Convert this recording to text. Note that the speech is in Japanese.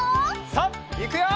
さあいくよ！